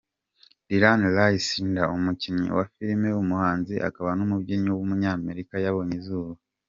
Dylan Riley Snyder, umukinnyi wa filime, umuhanzi akaba n’umubyinnyi w’umunyamerika yabonye izuba.